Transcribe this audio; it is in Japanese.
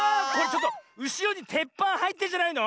うしろにてっぱんはいってんじゃないの？